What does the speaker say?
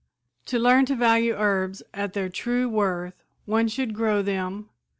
To learn to value herbs at their true worth one should grow them.